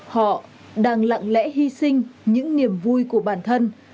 họ đang lặng lẽ hy sinh những niềm vui của bản thân